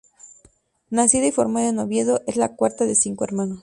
Nacida y formada en Oviedo, es la cuarta de cinco hermanos.